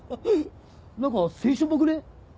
何か青春っぽくね？